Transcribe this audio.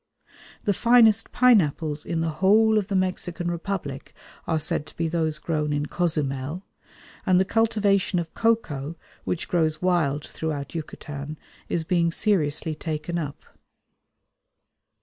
The finest pineapples in the whole of the Mexican Republic are said to be those grown in Cozumel, and the cultivation of cocoa, which grows wild throughout Yucatan, is being seriously taken up.